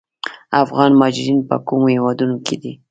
افغان مهاجرین په کومو هیوادونو کې دي؟